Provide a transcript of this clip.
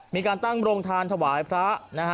มีการตั้งโรงทานถวายพระนะฮะ